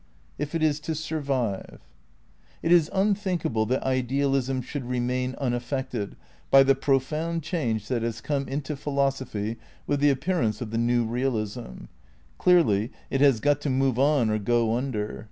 If it is to survive It is unthinkable that Idealism should remain unaf fected by the profound change that has come into phi losophy with the appearance or the New Realism. Clearly it has got to move on or go under.